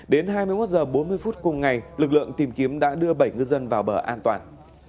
đến hai mươi một h bốn mươi phút cùng ngày lực lượng tìm kiếm đã đưa bảy ngư dân vào bờ an toàn